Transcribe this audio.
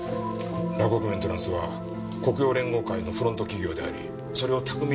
洛北メンテナンスは黒洋連合会のフロント企業でありそれを巧みに隠しながら。